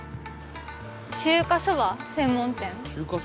「中華そば専門店？」